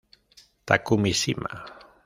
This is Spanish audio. Takumi Shima